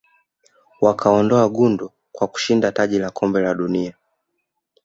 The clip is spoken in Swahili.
wakaondoa gundu kwa kashinda taji la kombe la dunia